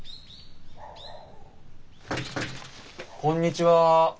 こんにちは。